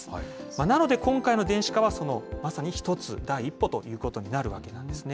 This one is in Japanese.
なので、今回の電子化は、そのまさに１つ、第一歩ということになるわけですね。